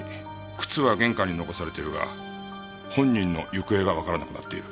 靴は玄関に残されているが本人の行方がわからなくなっている。